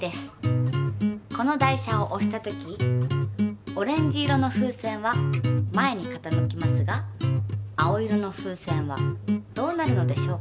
この台車を押した時オレンジ色の風船は前に傾きますが青色の風船はどうなるのでしょうか？